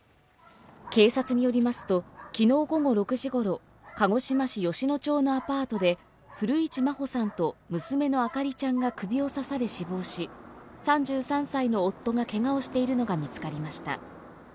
警察によりますと、昨日午後６時ごろ鹿児島市吉野町のアパートで古市真穂さんと娘の明里ちゃんが首を刺され死亡し３３歳の夫がけがをしているのが見つかりました。